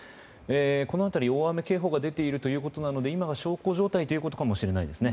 この辺り大雨警報が出ているようなので今が小康状態ということかもしれないですね。